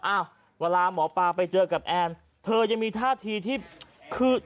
อ้าวเวลาหมอปลาไปเจอกับแอนเธอยังมีท่าทีที่คือ